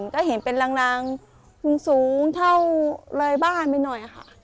ก็เห็นเป็นรางถูกอุดทรูสูงเท่าลายบ้านไปหน่อยค่ะ